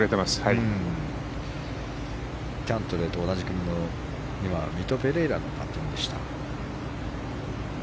キャントレーと同じ組のミト・ペレイラのパッティングでした。